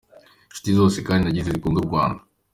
Inshuti zose kandi nagize zikunda u Rwanda.